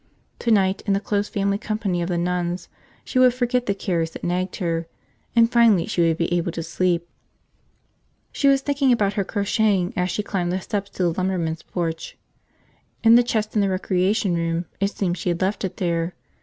Tonight, in the close family company of the nuns, she would forget the cares that nagged her, and finally she would be able to sleep. She was thinking about her crocheting as she climbed the steps to the lumberman's porch. In the chest in the recreation room, it seemed she had left it there.